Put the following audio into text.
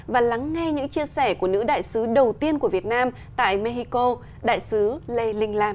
và lắng nghe những chia sẻ của nữ đại sứ đầu tiên của việt nam tại mexico đại sứ lê linh lan